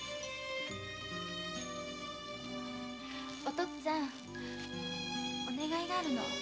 お父っつぁんお願いがあるの。